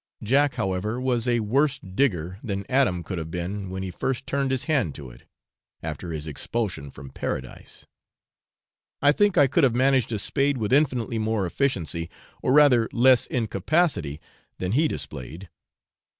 Jack, however, was a worse digger than Adam could have been when first he turned his hand to it, after his expulsion from Paradise. I think I could have managed a spade with infinitely more efficiency, or rather less incapacity, than he displayed.